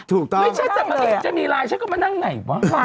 ถูกต้องไม่ใช่ถ้าเป็นมาให้เห็นจะมีลายฉันก็มานั่งไหน